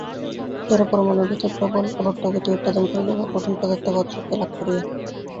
জড়-পরমাণুর ভিতর প্রবল আবর্তগতি উৎপাদন করিলে উহা কঠিনপদার্থবৎ শক্তিলাভ করিবে।